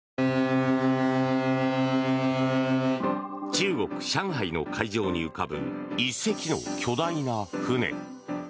中国・上海の海上に浮かぶ１隻の巨大な船。